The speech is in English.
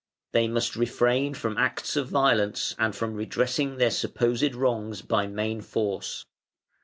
They must refrain from acts of violence and from redressing their supposed wrongs by main force.